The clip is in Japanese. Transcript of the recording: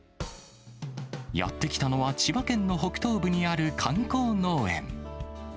やって来たのは、千葉県の北東部にある観光農園。